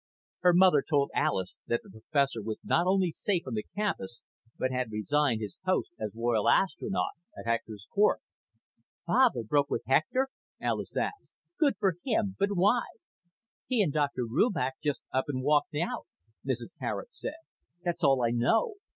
Her mother told Alis that the professor was not only safe on the campus but had resigned his post as Royal Astronaut at Hector's court. "Father broke with Hector?" Alis asked. "Good for him! But why?" "He and Dr. Rubach just up and walked out," Mrs. Garet said. "That's all I know.